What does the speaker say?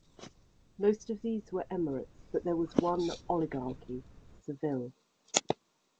Most of these were emirates, but there was one oligarchy, Seville.